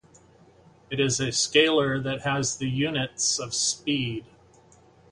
It is a scalar that has the units of speed.